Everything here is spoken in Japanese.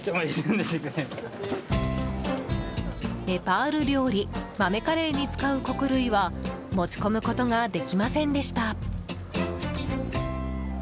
ネパール料理豆カレーに使う穀類は持ち込むことができませんでした。